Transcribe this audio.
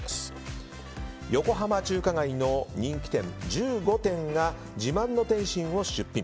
横浜中華街の人気店１５店が自慢の点心を出品。